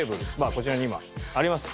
こちらに今あります。